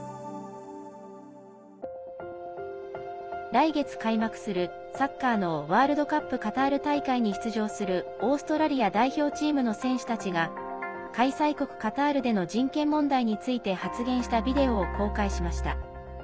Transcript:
来月、開幕するサッカーのワールドカップカタール大会に出場するオーストラリア代表チームの選手たちが開催国カタールでの人権問題について発言したビデオを公開しました。